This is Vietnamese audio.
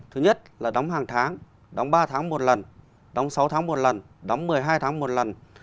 thứ nhất là đóng hàng tháng đóng ba tháng một lần đóng sáu tháng một lần đóng một mươi hai tháng một lần